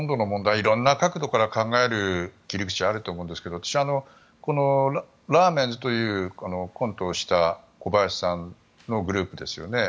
いろいろな角度から考える切り口はあると思いますが私は、このラーメンズというコントをした小林さんのグループですよね。